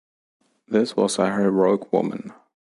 This was a heroic woman.